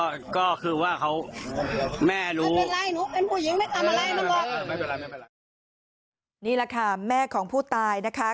นี่แหละค่ะแม่ของผู้ตายนะคะ